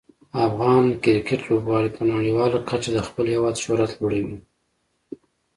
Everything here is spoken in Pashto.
افغان کرکټ لوبغاړي په نړیواله کچه د خپل هیواد شهرت لوړوي.